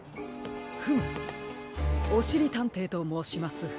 フムおしりたんていともうします。